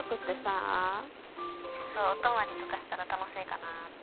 いっそお泊まりとかしたら楽しいかなって。